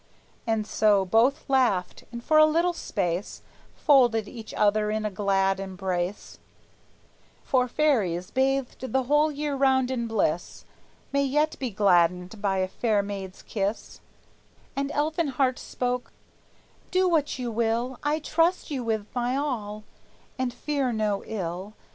And so both laughed, and for a little space Folded each other in a glad embrace; (For fairies, bathed the whole year round in bliss, May yet be gladdened by a fair maid's kiss); And Elfinhart spoke on: "Do what you will, I trust you with my all, and fear no ill.